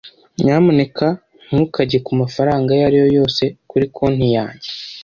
Nyamuneka ntukajye kumafaranga ayo ari yo yose kuri konti yanjye.